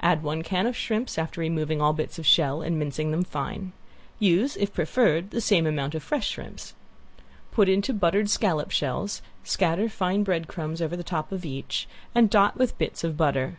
Add one can of shrimps after removing all bits of shell and mincing them fine. Use, if preferred, the same amount of fresh shrimps. Put into buttered scallop shells, scatter fine bread crumbs over the top of each, and dot with bits of butter.